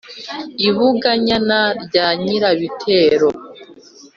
I Bunganyana rya Nyirabitero